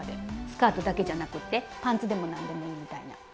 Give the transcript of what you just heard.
スカートだけじゃなくってパンツでも何でもいいみたいな。